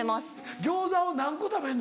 餃子を何個食べんの？